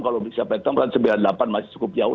kalau bisa petang kan sembilan puluh delapan masih cukup jauh